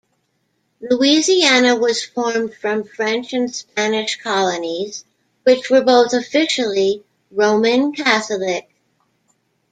Louisiana was formed from French and Spanish colonies, which were both officially Roman Catholic.